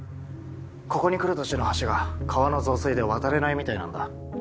ここに来る途中の橋が川の増水で渡れないみたいなんだ。